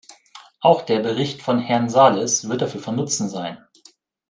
Auch der Bericht von Herrn Sarlis wird dafür von Nutzen sein.